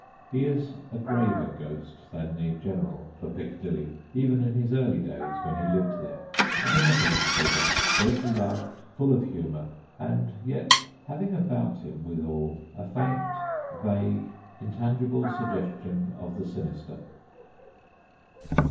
He is a graver ghost than the general for Picca dilly, even in his early days when he lived there a benevolent figure, greatly loved, full of humour, and yet having about him withal a faint, vague, intangible suggestion of the sinister.